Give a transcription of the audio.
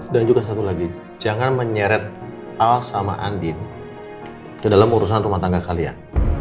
dan juga satu lagi jangan menyeret al sama andin ke dalam urusan rumah tangga kalian